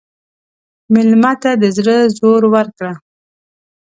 مېلمه ته د زړه زور ورکړه.